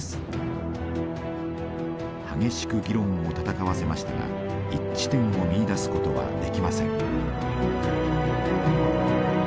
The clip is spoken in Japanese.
激しく議論を戦わせましたが一致点を見いだすことはできません。